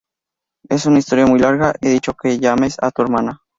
es una historia muy larga. he dicho que llames a tu hermana.